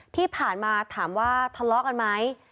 ที่ผ่านมาถามว่าทะเลาะกันไหม